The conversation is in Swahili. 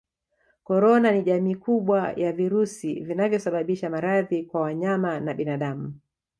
ïCorona ni jamii kubwa ya virusi vinavyosababisha maradhi kwa wanyama na binadamu